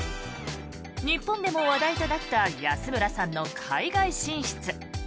日本でも話題となった安村さんの海外進出。